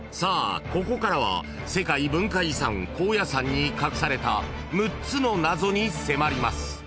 ここからは世界文化遺産高野山に隠された６つの謎に迫ります］